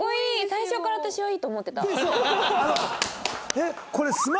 最初から私はいいと思ってた。